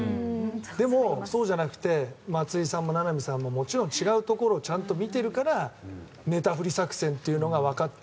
でも、そうじゃなくて松井さんも名波さんももちろん、違うところをちゃんと見ているから寝たふり作戦というのが分かって。